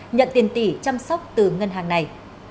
nhận tiền tỷ chăm sóc từ ngân hàng này